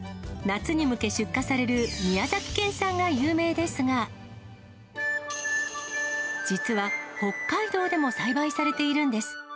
夏に向け、出荷される宮崎県産が有名ですが、実は北海道でも栽培されているんです。